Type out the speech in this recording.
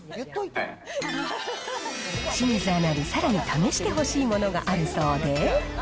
清水アナにさらに試してほしいものがあるそうで。